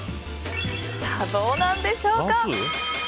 どうなんでしょうか。